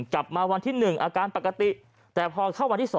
กลับมาวันที่๑อาการปกติแต่พอเข้าวันที่๒